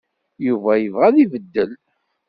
Yuba yebɣa abeddel.